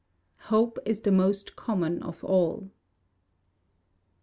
[HOPE IS THE MOST COMMON OF ALL.